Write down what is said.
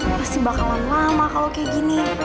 pasti bakalan lama kalau kayak gini